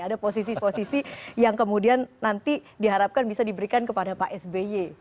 ada posisi posisi yang kemudian nanti diharapkan bisa diberikan kepada pak sby